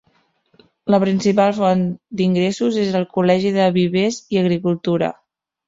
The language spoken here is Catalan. La principal font d'ingressos és el Col·legi de Vivers i Agricultura.